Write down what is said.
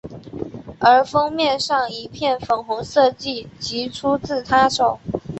而封面上一片粉红设计即出自她手。